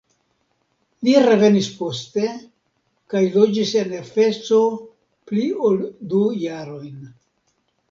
Li revenis poste kaj loĝis en Efeso pli ol du jarojn.